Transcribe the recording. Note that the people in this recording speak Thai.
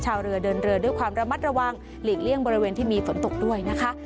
ชาวเรือเดินเรือด้วยความระมัดระวังหลีกเลี่ยงบริเวณที่มีฝนตกด้วยนะคะ